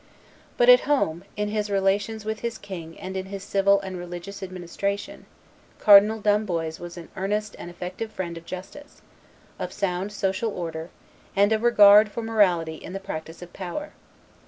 But at home, in his relations with his king and in his civil and religious administration, Cardinal d'Amboise was an earnest and effective friend of justice, of sound social order, and of regard for morality in the practice of power.